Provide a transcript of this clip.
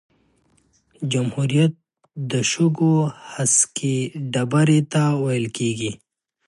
جمهوریت د شګو هسکی ډېرۍ ته ویل کیږي.